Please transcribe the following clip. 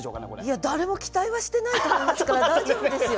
いや誰も期待はしてないと思いますから大丈夫ですよ。